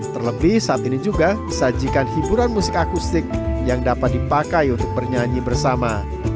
terlebih saat ini juga sajikan hiburan musik akustik yang dapat dipakai untuk bernyanyi bersama